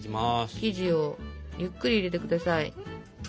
生地をゆっくり入れてください。